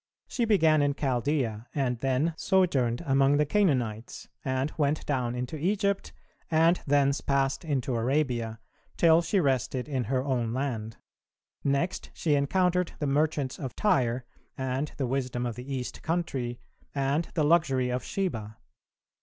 She began in Chaldea, and then sojourned among the Canaanites, and went down into Egypt, and thence passed into Arabia, till she rested in her own land. Next she encountered the merchants of Tyre, and the wisdom of the East country, and the luxury of Sheba.